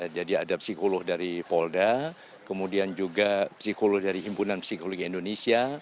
jadi ada psikolog dari polda kemudian juga psikolog dari himpunan psikologi indonesia